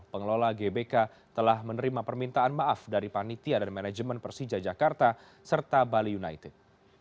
pengelola gbk telah menerima permintaan maaf dari panitia dan manajemen persija jakarta serta bali united